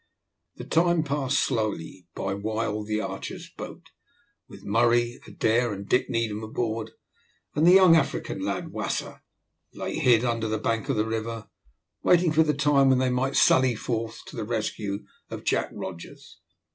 The time passed slowly by while the Archer's boat, with Murray, Adair, and Dick Needham aboard, and the young African lad Wasser, lay hid under the bank of the river, waiting for the time when they might sally forth to the rescue of Jack Rogers.